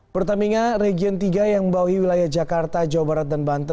pertamina region tiga yang membawahi wilayah jakarta jawa barat dan banten